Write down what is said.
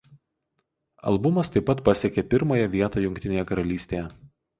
Albumas taip pat pasiekė pirmąją vietą Jungtinėje Karalystėje.